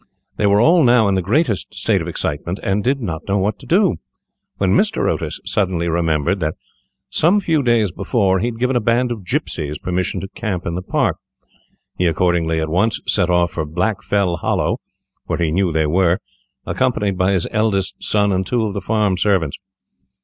They were all now in the greatest state of excitement, and did not know what to do, when Mr. Otis suddenly remembered that, some few days before, he had given a band of gipsies permission to camp in the park. He accordingly at once set off for Blackfell Hollow, where he knew they were, accompanied by his eldest son and two of the farm servants.